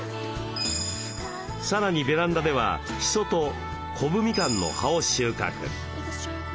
さらにベランダではシソとコブミカンの葉を収穫。